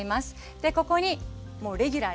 でここにもうレギュラーですね。